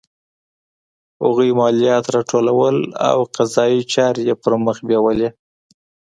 هغوی مالیات راټولول او قضایي چارې یې پرمخ بیولې.